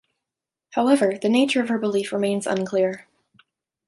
However, the nature of her belief remains unclear.